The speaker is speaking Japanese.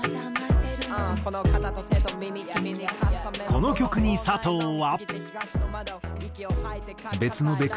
この曲に佐藤は。